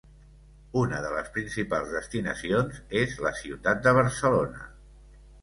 Una de les principals destinacions és la ciutat de Barcelona.